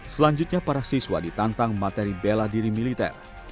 selanjutnya para siswa ditantang materi bela diri militer